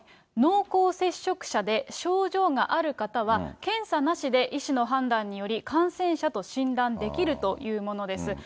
濃厚接触者で症状がある方は検査なしで医師の判断により、感染者と診断できるというものです。